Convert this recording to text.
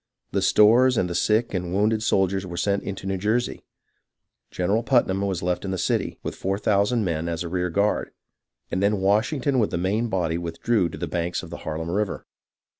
The stores and the sick and wounded soldiers were sent into New Jersey. General Putnam was left in the city, with four thousand men, as a rear guard, and then Washington with the main body withdrew to the banks of the Harlem River.